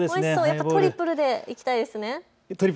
やっぱりトリプルでいきたいですね。